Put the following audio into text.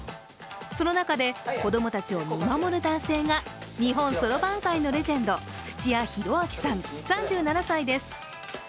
その中で、子供たちを見守る男性が日本そろばん界のレジェンド土屋宏明さん、３７歳です。